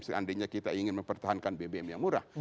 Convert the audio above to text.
seandainya kita ingin mempertahankan bbm yang murah